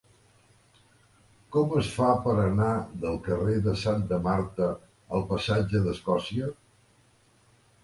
Com es fa per anar del carrer de Santa Marta al passatge d'Escòcia?